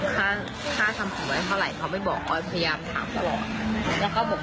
ค่าทำผมไว้เท่าไหร่เขาไปบอกอ้อยพยายามถามเขาบอก